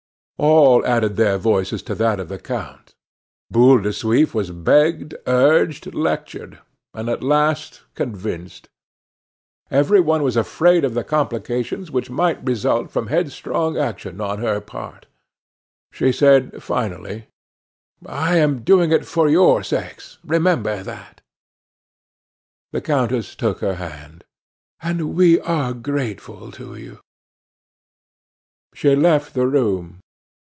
All added their voices to that of the count; Boule de Suif was begged, urged, lectured, and at last convinced; every one was afraid of the complications which might result from headstrong action on her part. She said finally: "I am doing it for your sakes, remember that!" The countess took her hand. "And we are grateful to you." She left the room.